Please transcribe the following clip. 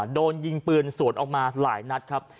โดนยิงปืนสวนออกมาหลายนัดครับ